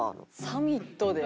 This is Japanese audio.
サミットで？